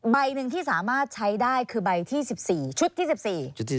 ใบหนึ่งที่สามารถใช้ได้คือใบที่๑๔ชุดที่๑๔ชุด